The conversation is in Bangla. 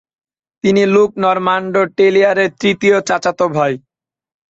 তিনি লুক-নরমান্ড টেলিয়ারের তৃতীয় চাচাত ভাই।